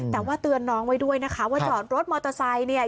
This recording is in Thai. แต่ว่าเตือนน้องไว้ด้วยนะคะว่าจอดรถมอเตอร์ไซค์เนี่ย